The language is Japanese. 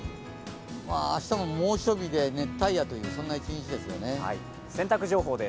明日も猛暑日で熱帯夜という一日ですよね。